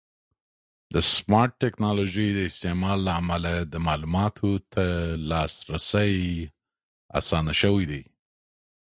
د سمارټ ټکنالوژۍ د استعمال له امله د معلوماتو ته لاسرسی اسانه شوی دی.